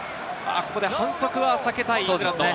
ここで反則は避けたい。